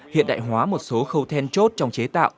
hiện đại hóa một số khâu then chốt trong chế tạo